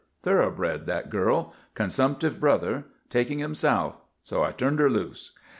Thoroughbred, that girl; consumptive brother; taking him South. So I turned her loose."